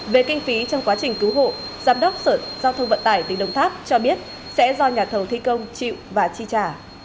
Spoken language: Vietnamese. về kinh phí trong quá trình cứu hộ giám đốc sở giao thông vận tải tỉnh đồng tháp cho biết sẽ do nhà thầu thi công chịu và chi trả